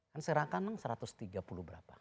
kan serakan satu ratus tiga puluh berapa